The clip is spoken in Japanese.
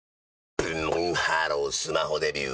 ブンブンハロースマホデビュー！